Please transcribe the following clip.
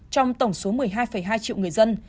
trong tổng số một mươi hai hai triệu người dân